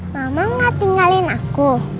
mama gak tinggalin aku